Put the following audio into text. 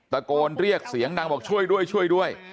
ตะโกนเรียกเสียงดังบอกช่วยด้วยช่วยด้วย